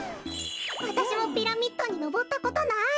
わたしもピラミッドにのぼったことない。